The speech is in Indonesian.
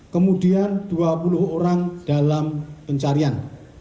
kemudian dua puluh orang dalam pencarian